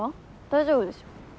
大丈夫でしょ。